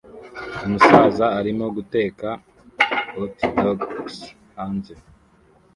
Umusaza arimo guteka hotdogs hanze